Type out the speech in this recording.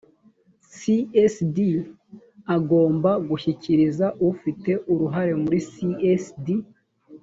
csd agomba gushyikiriza ufite uruhare muri csd